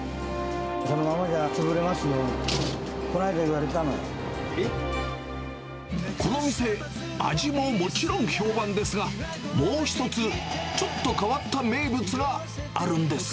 そのままじゃ潰れますよ、この店、味ももちろん評判ですが、もう１つ、ちょっと変わった名物があるんです。